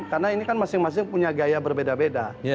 karena ini kan masing masing punya gaya berbeda beda